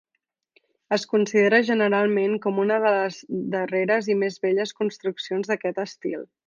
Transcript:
Es considera generalment com una de les darreres i més belles construccions d'aquest estil.